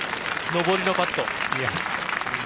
上りのパット。